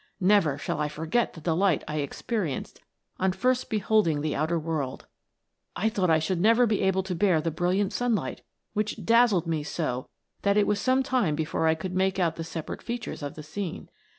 " Never shall I forget the delight I experienced on first beholding the outer world ! I thought I should never be able to bear the brilliant sunlight, which dazzled me so that it was some time before I could make out the separate features of the scene.